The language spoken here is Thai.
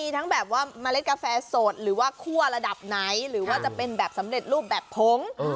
ทั้งแบบว่าเมล็ดกาแฟสดหรือว่าคั่วระดับไหนหรือว่าจะเป็นแบบสำเร็จรูปแบบผง